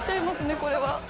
これは。